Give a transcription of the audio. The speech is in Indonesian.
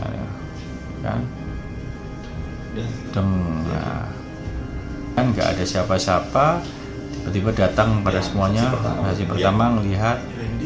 dan enggak ada siapa siapa tiba tiba datang pada semuanya masih pertama melihat